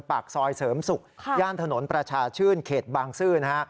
ปากซอยเสริมศุกร์ย่านถนนประชาชื่นเขตบางซื่อนะฮะ